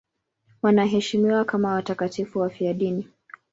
Wanaheshimiwa kama watakatifu wafiadini.